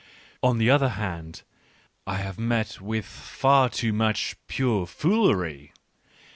On the other hand, I have met with far too much pure foolery